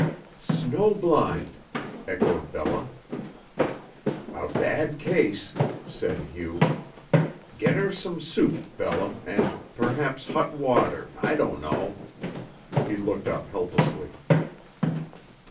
"Snow blind," echoed Bella. "A bad case," said Hugh. "Get her some soup, Bella, and perhaps, hot water I don't know." He looked up helplessly.